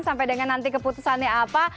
sampai dengan nanti keputusannya apa